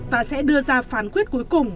và sẽ đưa ra phán quyết cuối cùng